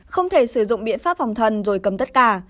không thể sử dụng biện pháp phòng thân rồi cầm tất cả